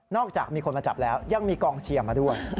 จากมีคนมาจับแล้วยังมีกองเชียร์มาด้วย